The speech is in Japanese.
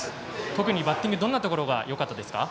特にバッティングどんなところがよかったですか？